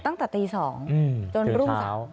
ตั้งแต่ตี๒จนรุ่น๓